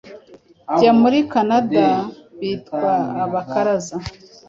Bjya muri Canada bitwa Abakaraza,